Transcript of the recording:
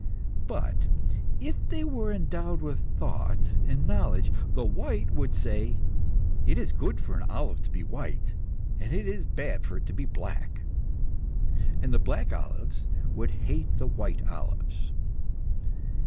But, if they were endowed with thought and knowledge, the white would say, It is good for an olive to be white, it is bad for it to be black; and the black olives would hate the white olives.